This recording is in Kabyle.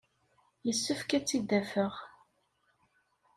Yessefk ad tt-id-afeɣ.